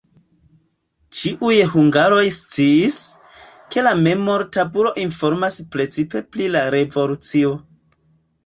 Ĉiuj hungaroj sciis, ke la memortabulo informas precipe pri la revolucio.